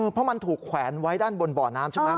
เพราะมันถูกแขวนไว้ด้านบนบ่อน้ำใช่ไหม